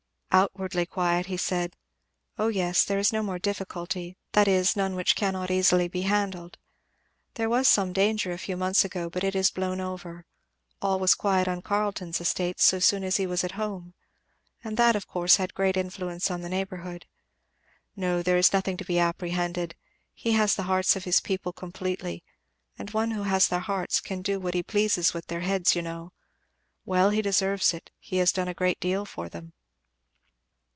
"Outwardly quiet," he said; "O yes there is no more difficulty that is, none which cannot easily be handled. There was some danger a few months ago, but it is blown over; all was quiet on Carleton's estates so soon as he was at home, and that of course had great influence on the neighbourhood. No, there is nothing to be apprehended. He has the hearts of his people completely, and one who has their hearts can do what he pleases with their heads, you know. Well he deserves it he has done a great deal for them."